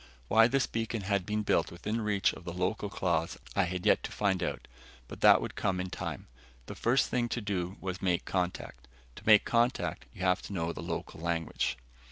Why this beacon had been built within reach of the local claws, I had yet to find out. But that would come in time. The first thing to do was make contact. To make contact, you have to know the local language.